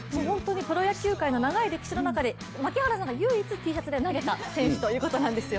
プロ野球界の長い歴史の中で槙原さんが唯一Ｔシャツで投げた選手ということなんですよ。